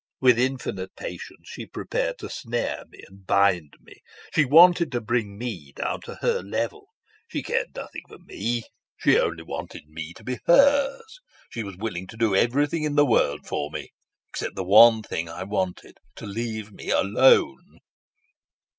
With infinite patience she prepared to snare me and bind me. She wanted to bring me down to her level; she cared nothing for me, she only wanted me to be hers. She was willing to do everything in the world for me except the one thing I wanted: to leave me alone."